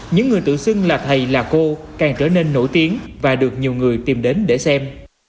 những người tự xưng là thầy là cô càng trở nên nổi tiếng và được nhiều người tìm đến để xem